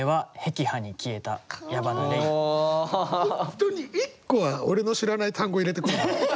本当に１個は俺の知らない単語を入れてくる。